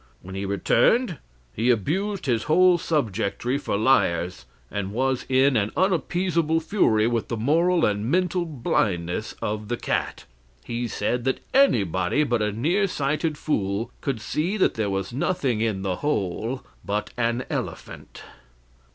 When he returned, he abused his whole subjectry for liars, and was in an unappeasable fury with the moral and mental blindness of the cat. He said that anybody but a near sighted fool could see that there was nothing in the hole but an elephant.